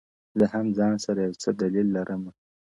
• زه هم ځان سره یو څه دلیل لرمه..